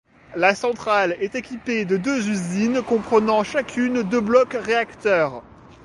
La centrale est équipée de deux usines comprenant chacune deux blocs réacteurs.